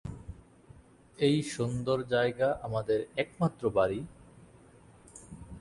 এই সুন্দর জায়গা আমাদের একমাত্র বাড়ি।